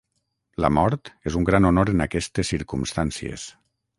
La mort és un gran honor en aquestes circumstàncies.